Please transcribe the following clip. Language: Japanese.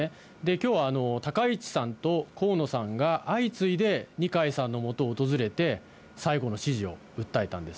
きょうは高市さんと河野さんが、相次いで二階さんの元を訪れて、最後の支持を訴えたんです。